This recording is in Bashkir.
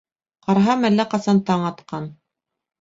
Ҡараһам, әллә ҡасан таң атҡан.